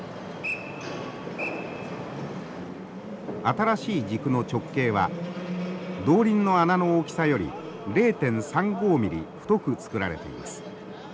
新しい軸の直径は動輪の穴の大きさより０．３５ミリ太くつくられています。